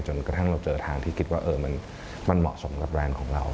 กระทั่งเราเจอทางที่คิดว่ามันเหมาะสมกับแบรนด์ของเรา